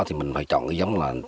thì mình phải chọn cái giống là